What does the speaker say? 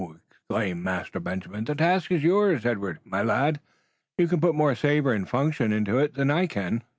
exclaimed Master Benjamin. "The task is yours, Edward, my lad. You can put more savor and unction into it than I can."